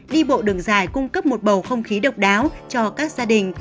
đi bộ đường dài cung cấp một bầu không khí độc đáo cho các gia đình